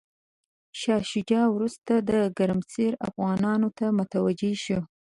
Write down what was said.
شاه شجاع وروسته د ګرمسیر افغانانو ته متوجه شو.